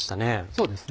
そうですね。